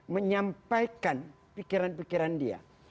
menyampaikan pikiran pikiran dia